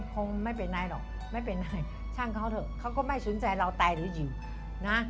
คงไม่เป็นไรหรอกไม่เป็นไรช่างเขาเถอะเขาก็ไม่สนใจเราตายหรือหิวนะ